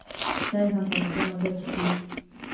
چای هم په مزه مزه څښي.